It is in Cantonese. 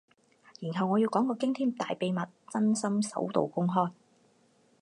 然後我要講個驚天大秘密，真心首度公開